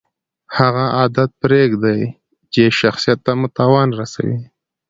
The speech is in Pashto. هغه عادت پرېږدئ، چي شخصت ته مو تاوان رسوي.